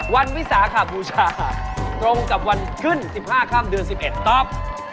วิสาขบูชาตรงกับวันขึ้น๑๕ค่ำเดือน๑๑ตอบ